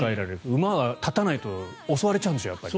馬は立たないと襲われちゃうんでしょ。